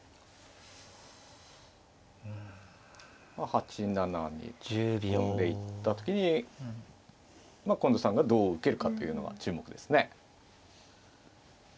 ８七に飛んでいった時に近藤さんがどう受けるかというのが注目ですね。